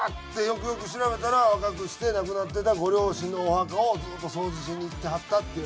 よくよく調べたら若くして亡くなってたご両親のお墓をずっと掃除しに行ってはったっていう。